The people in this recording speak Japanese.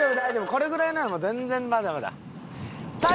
これぐらいなら全然まだまだ。